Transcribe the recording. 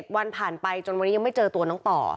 วันผ่านไปจนวันนี้ยังไม่เจอตัวน้องต่อ